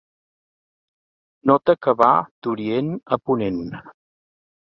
Nota que va d'Orient a Ponent.